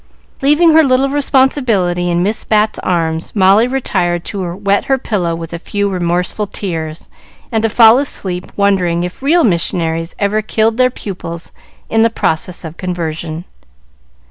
Leaving her little responsibility in Miss Bat's arms, Molly retired to wet her pillow with a few remorseful tears, and to fall asleep, wondering if real missionaries ever killed their pupils in the process of conversion.